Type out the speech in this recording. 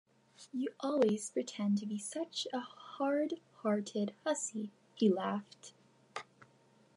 “You always pretend to be such a hard-hearted hussy,” he laughed.